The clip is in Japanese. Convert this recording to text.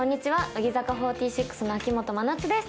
乃木坂４６の秋元真夏です。